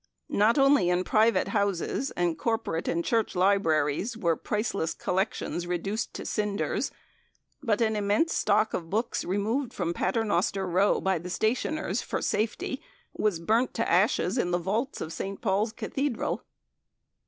Not only in private houses and Corporate and Church libraries were priceless collections reduced to cinders, but an immense stock of books removed from Paternoster Row by the Stationers for safety was burnt to ashes in the vaults of St. Paul's Cathedral.